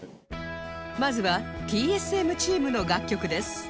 まずは ＴＳＭ チームの楽曲です